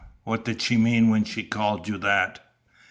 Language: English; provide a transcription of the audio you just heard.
_ What did she mean when she called you that?"